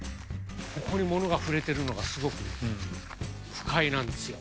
ここに物が触れているのがすごくね、不快なんですよ。